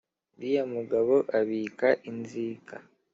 Uriya mugabo abika inzika